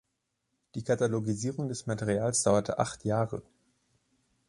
Die Katalogisierung des Materials dauerte acht Jahre.